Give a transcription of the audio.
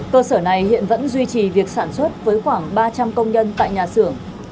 cơ sở này hiện vẫn duy trì việc sản xuất với khoảng ba trăm linh công nhân tại nhà xưởng